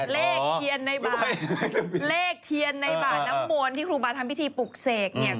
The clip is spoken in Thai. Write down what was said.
เลขทะเบียนในบาทน้ำมนที่ครูบาร์ทำพิธีปลุกเสกเนี่ย